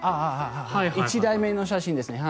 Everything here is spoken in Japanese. はい１台目の写真ですね。